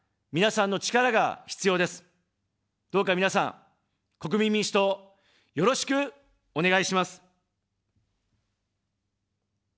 どうか皆さん、国民民主党、よろしくお願いします。